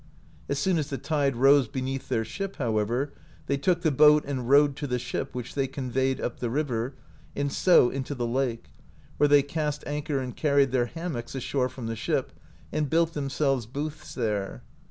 As soon as the tide rose beneath their ship, however, they took the boat and rowed to the ship, which they conveyed up the river, and so into the lake, where they cast anchor and carried their hammocks ashore from the ship, and built themselves booths there.